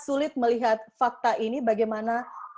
sulit melihat fakta ini bagaimana